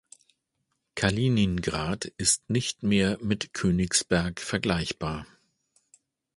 Kaliningrad ist nicht mehr mit Königsberg vergleichbar.